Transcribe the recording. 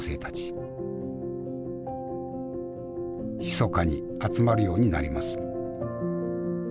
ひそかに集まるようになります。